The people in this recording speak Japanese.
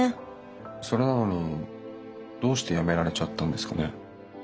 それなのにどうしてやめられちゃったんですかね？